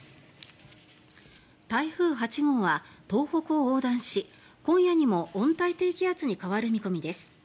台風８号は東北を横断し今夜にも温帯低気圧に変わる見込みです。